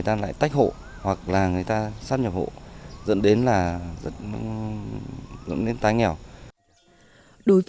trị lợi nông thị lợi